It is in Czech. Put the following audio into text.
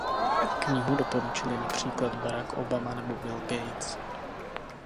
Knihu doporučili například Barack Obama nebo Bill Gates.